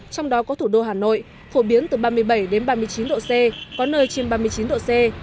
trong đó có thủ đô hà nội phổ biến từ ba mươi bảy đến ba mươi chín độ c có nơi trên ba mươi chín độ c